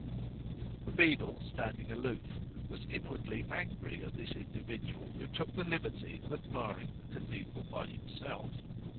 The beadle, standing aloof, was inwardly angry at this individual who took the liberty of admiring the cathedral by himself.